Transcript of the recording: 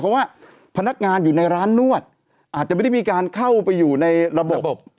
เพราะว่าพนักงานอยู่ในร้านนวดอาจจะไม่ได้มีการเข้าไปอยู่ในระบบ